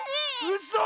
うそ！